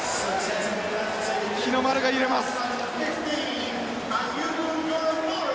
日の丸が揺れます。